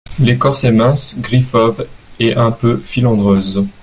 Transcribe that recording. L'écorce est mince, gris fauve, et un peu filandreuse.